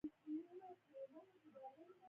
زه يو لوستی ځوان یم.